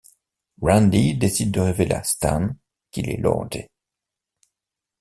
Randy décide de révéler à Stan qu'il est Lorde.